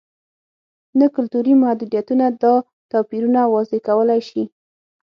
نه کلتوري محدودیتونه دا توپیرونه واضح کولای شي.